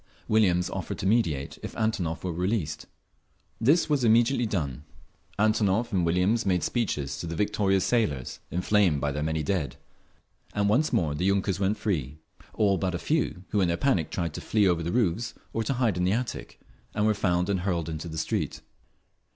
Williams offered to mediate if Antonov were released. This was immediately done; Antonov and Williams made speeches to the victorious sailors, inflamed by their many dead—and once more the yunkers went free…. All but a few, who in their panic tried to flee over the roofs, or to hide in the attic, and were found and hurled into the street.